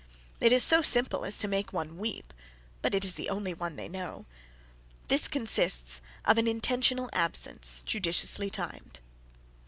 It is so simple as to make one weep, but it is the only one they know. This consists of an intentional absence, judiciously timed.